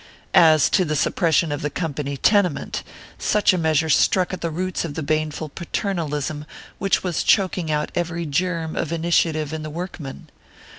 As to the suppression of the company tenement, such a measure struck at the roots of the baneful paternalism which was choking out every germ of initiative in the workman.